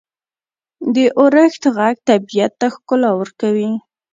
• د اورښت ږغ طبیعت ته ښکلا ورکوي.